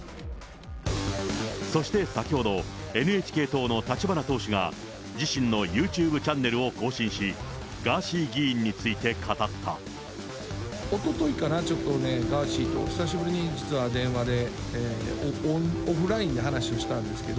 そして先ほど、ＮＨＫ党の立花党首が自身のユーチューブチャンネルを更新し、ガおとといかな、ちょっとね、ガーシーと久しぶりに実は電話で、オフラインで話をしたんですけど。